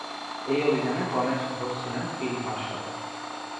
এই অভিযানে গণেশ ঘোষ ছিলেন ফিল্ড মার্শাল।